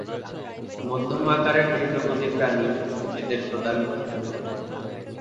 মধ্যম আকারের তৃণভোজী প্রাণী এদের প্রধান খাদ্য।